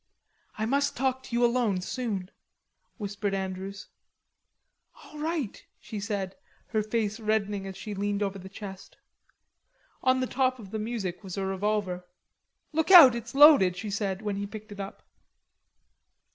"I must talk to you alone soon," whispered Andrews. "All right," she said, her face reddening as she leaned over the chest. On top of the music was a revolver. "Look out, it's loaded," she said, when he picked it up.